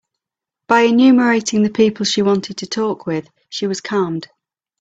By enumerating the people she wanted to talk with, she was calmed.